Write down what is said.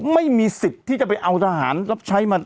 ไม่มีสิทธิ์ที่จะไปเอาทหารรับใช้มา